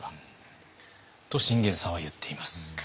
と信玄さんは言っています。